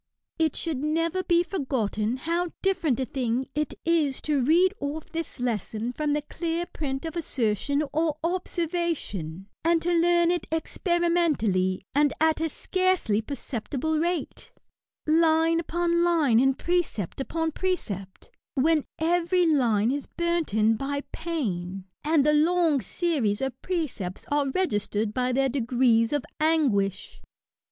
It should never be forgotten how different a thing it 150 ESSAYS. is to read off this lesson from the clear print of assertion or observation^ and to learn it experi * mentally, at a scarcely perceptible rate, "line upon line and precept upon precept;'* when every line is burnt in by pain, and the long series of precepts are registered by their degrees of anguish.